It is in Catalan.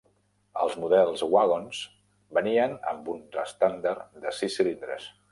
Els models Wagons venien amb un estàndard de sis cilindres.